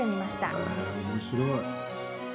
え面白い。